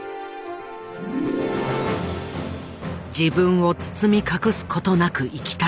自分を包み隠す事なく生きたい。